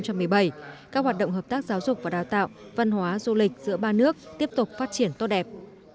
các hoạt động hợp tác giáo dục và đào tạo văn hóa du lịch giữa ba nước tiếp tục phát triển tốt đẹp